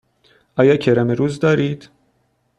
آیا کرم روز دارید؟